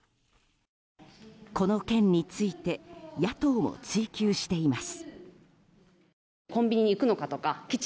この件について野党も追及しています。